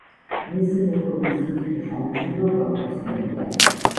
მისი მეფობის ზუსტი ხანგრძლივობა უცნობია.